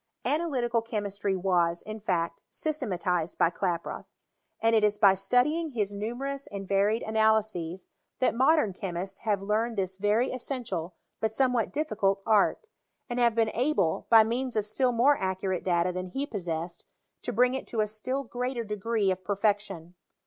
Analytical chemistry was, in fact, systematized by Klaproth ; and it is by studying his numerous and varied analyses, that modem chemists have learned this very essential, but somewhat difficult art ; and have been able, by means of still more ac curate data than he possessed, to bring it to a still greater degree of perfection.